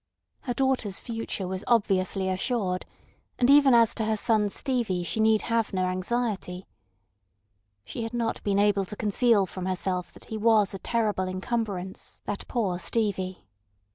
Her daughter's future was obviously assured, and even as to her son Stevie she need have no anxiety. She had not been able to conceal from herself that he was a terrible encumbrance, that poor Stevie.